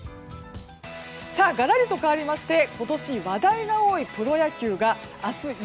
がらりとかわりまして今年話題が多いプロ野球明日